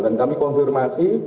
dan kami konfirmasi